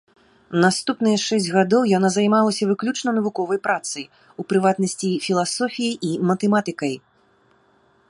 Наступныя шэсць гадоў яна займалася выключна навуковай працай, у прыватнасці філасофіяй і матэматыкай.